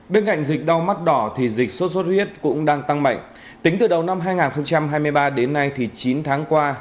bên cạnh dịch đau mắt đỏ thì dịch sốt xuất huyết cũng đang tăng mạnh tính từ đầu năm hai nghìn hai mươi ba đến nay thì chín tháng qua